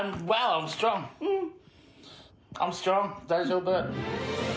大丈夫。